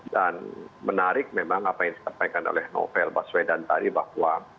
dan menarik memang apa yang disampaikan oleh novel baswedan tadi bahwa